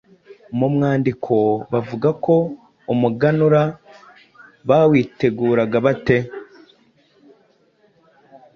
Mu mwandiko bavuga ko umuganura bawiteguraga bate?